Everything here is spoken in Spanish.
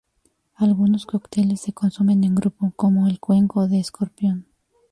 Algunos cócteles se consumen en grupo, como el "cuenco de escorpión".